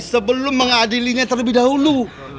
sebelum mengadilinya terlebih dahulu